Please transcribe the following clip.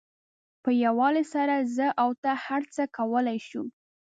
په یووالي سره زه او ته هر څه کولای شو.